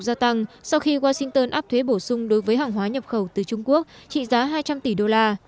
gia tăng sau khi washington áp thuế bổ sung đối với hàng hóa nhập khẩu từ trung quốc trị giá hai trăm linh tỷ đô la